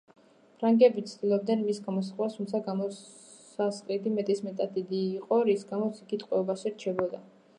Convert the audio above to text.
ფრანგები ცდილობდნენ მის გამოსყიდვას, თუმცა გამოსასყიდი მეტისმეტად დიდი იყო, რის გამოც იგი ტყვეობაში რჩებოდა.